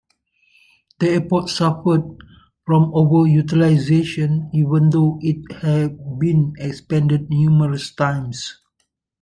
The airport suffered from over-utilization, even though it had been expanded numerous times.